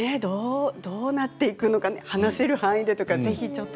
どうなっていくのか話せる範囲で。